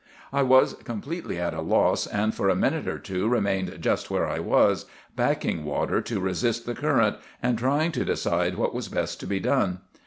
"I was completely at a loss, and for a minute or two remained just where I was, backing water to resist the current, and trying to decide what was best to be done.